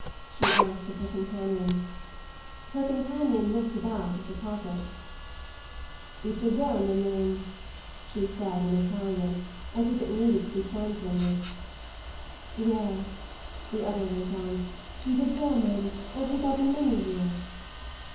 she asked of her companion. Her companion looked about at the carpet. "It's a German name," she said in Italian, as if it needed to be translated. "Yes," the other went on, "he's a German, and we've had him many years."